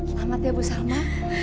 selamat ya bu salma